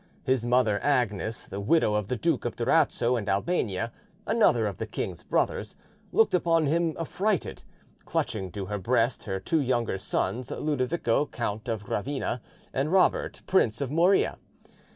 His mother, Agnes, the widow of the Duke of Durazzo and Albania, another of the king's brothers, looked upon him affrighted, clutching to her breast her two younger sons, Ludovico, Count of Gravina, and Robert, Prince of Morea.